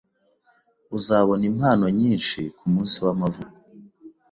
Uzabona impano nyinshi kumunsi wamavuko.